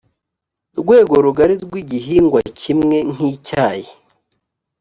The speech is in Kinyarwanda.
rwego rugali bw igihingwa kimwe nk icyayi